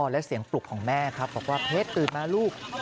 และเสียงปลุกของแม่ครับบอกว่าเพชรตื่นมาลูก